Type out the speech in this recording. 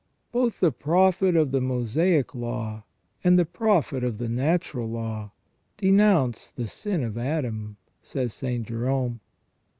Both the prophet of the Mosaic law and the prophet of the natural law denounce the sin of Adam, says St. Jerome.